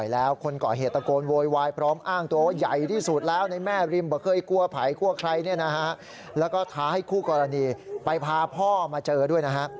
แล้วก็ท้าให้คู่กรณีไปพาพ่อมาเจอด้วยนะฮะ